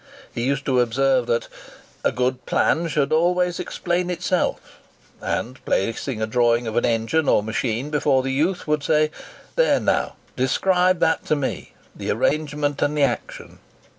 He used to observe that "A good plan should always explain itself;" and, placing a drawing of an engine or machine before the youth, would say, "There, now, describe that to me—the arrangement and the action."